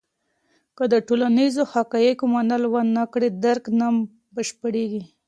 که د ټولنیزو حقایقو منل ونه کړې، درک نه بشپړېږي.